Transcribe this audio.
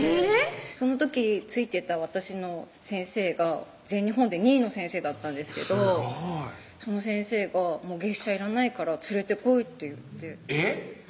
その時ついてた私の先生が全日本で２位の先生だったすごいその先生が「月謝いらないから連れてこい」って言ってえっ？